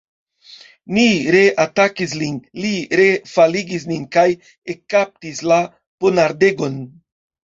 Ni ree atakis lin, li ree faligis nin kaj ekkaptis la ponardegon.